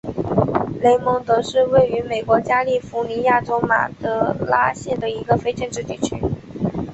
雷蒙德是位于美国加利福尼亚州马德拉县的一个非建制地区。